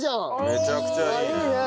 めちゃくちゃいいね。